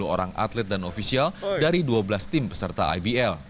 tiga ratus lima puluh orang atlet dan ofisial dari dua belas tim peserta ibl